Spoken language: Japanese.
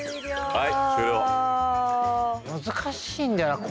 はい。